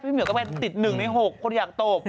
พี่เหมียวก็ไปติดหนึ่งในหกคนอยากโตป